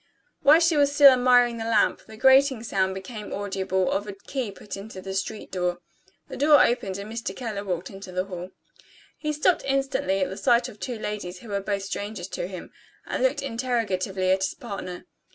While she was still admiring the lamp, the grating sound became audible of a key put into the street door. The door opened, and Mr. Keller walked into the hall. He stopped instantly at the sight of two ladies who were both strangers to him, and looked interrogatively at his partner.